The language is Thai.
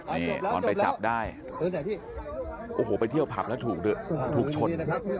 นี่ตอนไปจับได้โอ้โหไปเที่ยวผับแล้วถูกชน